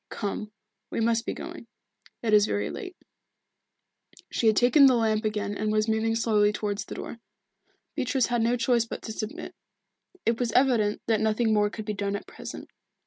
Come, we must be going. It is very late." She had taken the lamp again and was moving slowly towards the door. Beatrice had no choice but to submit. It was evident that nothing more could be done at present.